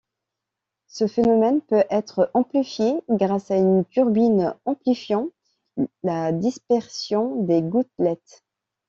Ce phénomène peut être amplifié grâce à une turbine amplifiant la dispersion des gouttelettes.